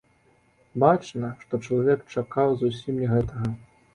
Бачна, што чалавек чакаў зусім не гэтага.